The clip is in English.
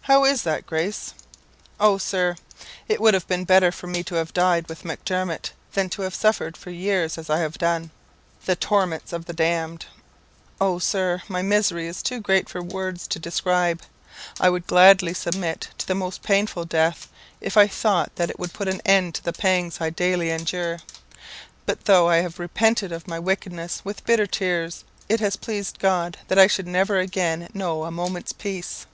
"'How is that, Grace?' "'Oh, Sir, it would have been better for me to have died with Macdermot than to have suffered for years, as I have done, the torments of the damned. Oh, Sir, my misery is too great for words to describe! I would gladly submit to the most painful death, if I thought that it would put an end to the pangs I daily endure. But though I have repented of my wickedness with bitter tears, it has pleased God that I should never again know a moment's peace.